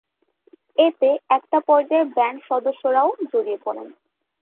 এতে একটা পর্যায়ে ব্যান্ড সদস্যরাও জড়িয়ে পড়েন।